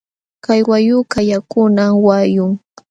Kay wayqukaq yakuna wayqum.